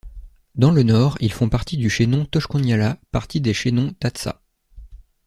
Dans le nord, ils font partie du chaînon Tochquonyalla, partie des chaînons Tahtsa.